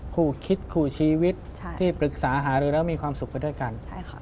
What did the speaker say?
คู่คิดคู่ชีวิตที่ปรึกษาหารือแล้วมีความสุขไปด้วยกัน